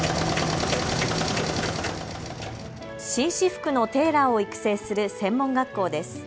紳士服のテーラーを育成する専門学校です。